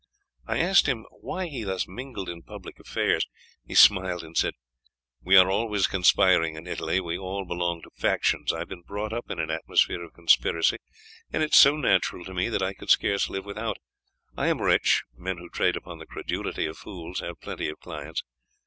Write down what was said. I asked him why he thus mingled in public affairs. He smiled and said: 'We are always conspiring in Italy; we all belong to factions. I have been brought up in an atmosphere of conspiracy, and it is so natural to me that I could scarce live without it. I am rich: men who trade upon the credulity of fools have plenty of clients.